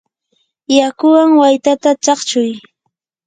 yakuwan waytata chaqchuy.